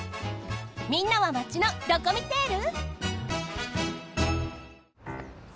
みんなはマチのドコミテール？